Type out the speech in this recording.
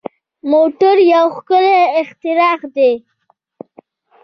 موټر یو ښکلی اختراع ده.